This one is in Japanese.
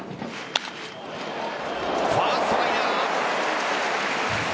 ファーストライナー。